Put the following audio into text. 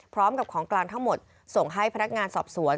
พร้อมกับของกลางทั้งหมดส่งให้พนักงานสอบสวน